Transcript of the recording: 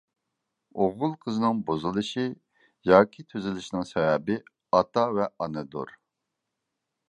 ئوغۇل قىزنىڭ بۇزۇلۇشى ياكى تۈزىلىشىنىڭ سەۋەبى ئاتا ۋە ئانىدۇر.